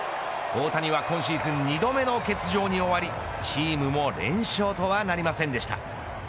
大谷は今シーズン２度目の欠場に終わりチームも連勝とはなりませんでした。